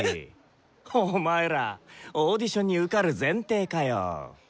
お前らオーディションに受かる前提かよ。